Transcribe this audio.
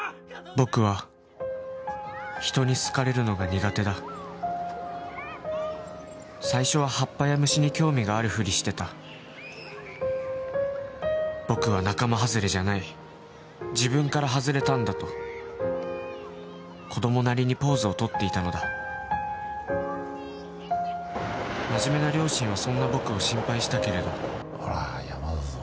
僕は人に好かれるのが苦手だ最初は葉っぱや虫に興味があるふりしてた僕は仲間外れじゃない自分から外れたんだと子どもなりにポーズを取っていたのだ真面目な両親はそんな僕を心配したけれどほら山だぞ